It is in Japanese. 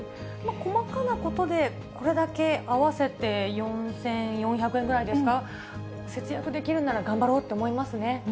細かなことでこれだけ合わせて４４００円ぐらいですか、節約できるなら頑張ろうって思いますね。